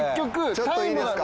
ちょっといいですか？